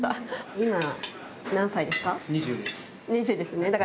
今、何歳ですか？